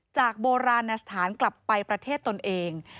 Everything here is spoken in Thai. จากโบราณสถานกลับไปประเทศตนเอง